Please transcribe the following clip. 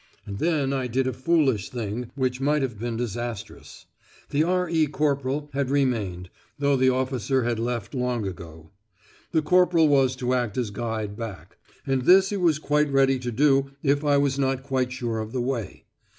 And then I did a foolish thing, which might have been disastrous! The R.E. corporal had remained, though the officer had left long ago. The corporal was to act as guide back, and this he was quite ready to do if I was not quite sure of the way.